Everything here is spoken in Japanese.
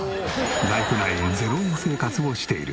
ライフライン０円生活をしている。